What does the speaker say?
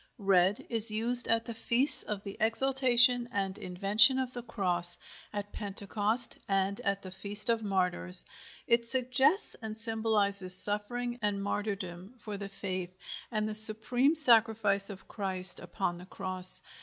RED is used at the feasts of the Exaltation and Invention of the Cross, at Pentecost, and at the Feast of Martyrs. It suggests and symbolizes suffering and martyrdom for the faith, and the supreme sacrifice of Christ upon the Cross.